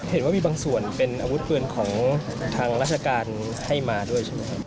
เห็นว่ามีบางส่วนเป็นอาวุธปืนของทางราชการให้มาด้วยใช่ไหมครับ